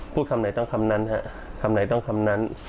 คำไหนต้องคำนั้นฮะคำไหนต้องคำนั้น